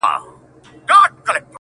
چي سترگو ته يې گورم! وای غزل لیکي!